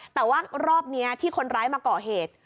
แต่ว่ารอบนี้ที่คนร้ายมาก่อเหตุ